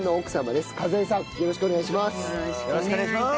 数江さんよろしくお願いします。